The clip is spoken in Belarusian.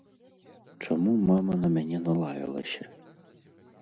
Чаму мама на мяне налаялася?